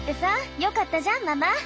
よかったじゃんママ。